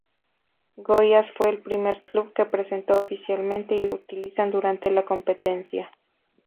Goiás fue el primer club que presentó oficialmente y lo utilizan durante la competencia.